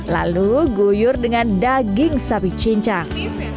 lalu guyur dengan daging sapi cincang